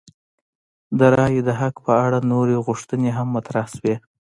د رایې د حق په اړه نورې غوښتنې هم مطرح شوې.